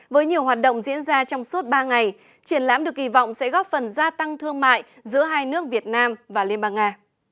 với nhiều hoạt động diễn ra trong suốt ba ngày triển lãm được kỳ vọng sẽ góp phần gia tăng thương mại giữa hai nước việt nam và liên bang nga